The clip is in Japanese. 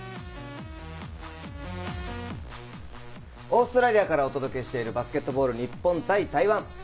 オーストラリアからお届けしている、バスケットボール日本対台湾。